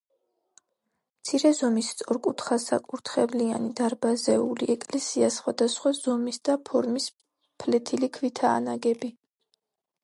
მცირე ზომის სწორკუთხასაკურთხევლიანი დარბაზული ეკლესია სხვადასხვა ზომის და ფორმის ფლეთილი ქვითაა ნაგები.